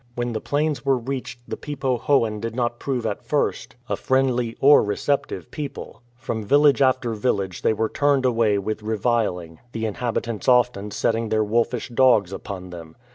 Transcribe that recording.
When the plains were reached the Pe po hoan did not prove at first a 69 THE KAP TSU LAN FISHERMEN friendly or receptive people. From village after village they were turned away with reviling, the inhabitants often setting their wolfish dogs upon them.